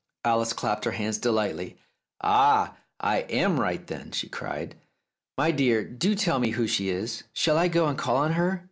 Alice clapped her hands delightedly. "Ah ! I am right then !" she cried. "My dear, do tell me who she is ? Shall I go and call on her